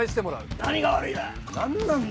何なんだ？